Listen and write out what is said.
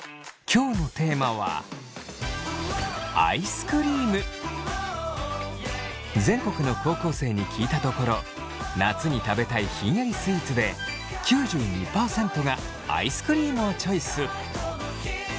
今日のテーマは全国の高校生に聞いたところ夏に食べたいひんやりスイーツで９２％がアイスクリームをチョイス。